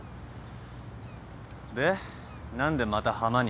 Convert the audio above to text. で何でまたハマに？